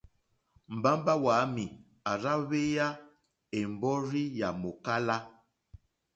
Mbamba wàami à rza hweya è mbɔrzi yà mòkala.